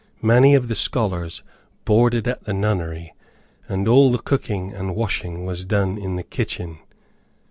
Many of the scholars boarded at the nunnery, and all the cooking and washing was done in the kitchen.